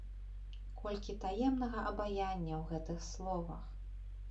Колькі таемнага абаяння ў гэтых словах!